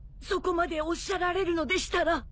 そこまでおっしゃられるのでしたら。